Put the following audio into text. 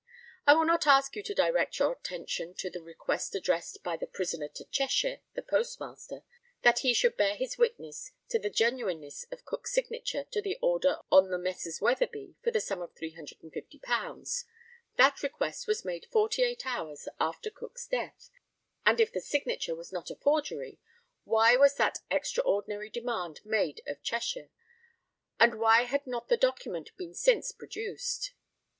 I will not ask you to direct your attention to the request addressed by the prisoner to Cheshire, the postmaster, that he should bear his witness to the genuineness of Cook's signature to the order on the Messrs. Weatherby for the sum of £350. That request was made forty eight hours after Cook's death; and if the signature was not a forgery, why was that extraordinary demand made of Cheshire, and why had not the document been since produced?